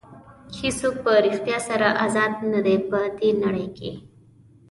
هېڅوک په ریښتیا سره ازاد نه دي په دې نړۍ کې.